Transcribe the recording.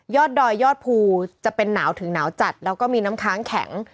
ดอยยอดภูจะเป็นหนาวถึงหนาวจัดแล้วก็มีน้ำค้างแข็ง